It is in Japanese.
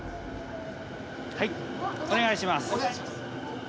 はいお願いします。